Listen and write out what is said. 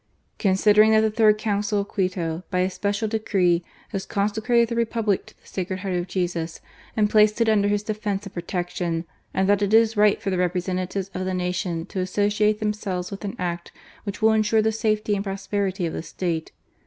"Considering that the third Council of Quito, by a special decree, has consecrated the Republic to the Sacred Heart of Jesus, and placed it under His defence and protection, and that it is right for the representatives of the nation to associate them selves with an Act which will ensure the safety and prosperity of the State